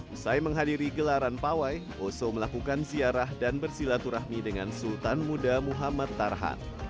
usai menghadiri gelaran pawai oso melakukan ziarah dan bersilaturahmi dengan sultan muda muhammad tarhan